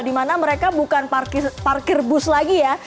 dimana mereka bukan parkir bus lagi ya